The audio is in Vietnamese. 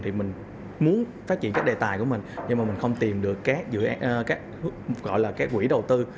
thì mình muốn phát triển các đề tài của mình nhưng mà mình không tìm được các quỹ đầu tư